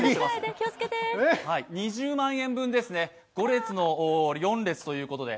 ２０万円分ですね、５列の４列ということで。